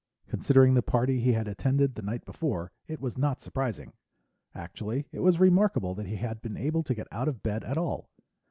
Considering the party he had attended the night before, it was not surprising. Actually, it was remarkable that he had been able to get out of bed at all.